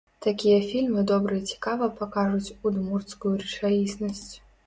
Такія фільмы добра і цікава пакажуць удмурцкую рэчаіснасць.